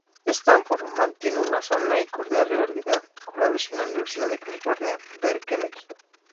Stanford mantiene una sana y cordial rivalidad con la vecina Universidad de California, Berkeley.